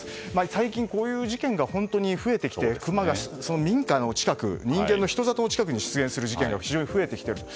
最近、こういう事件が本当に増えてきてクマが民家の近く人間の人里近くに出現する事件が非常に増えてきていると。